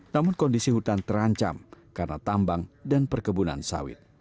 namun kondisi hutan terancam karena tambang dan perkebunan sawit